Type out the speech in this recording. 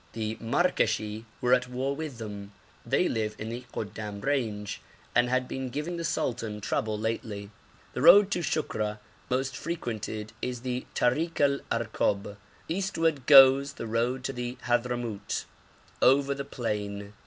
The Markashi were at war with them; they live in the Goddam range, and had been giving the sultan trouble lately. The road to Shukra most frequented is the Tarik el Arkob; eastward goes the road to the Hadhramout, over the plain.